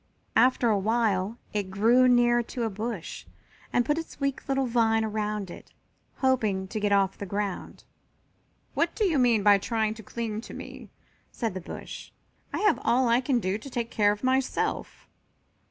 After a while it grew near to a bush and put its weak little vine around it, hoping to get off the ground. "What do you mean by trying to cling to me?" said the bush. "I have all I can do to take care of myself."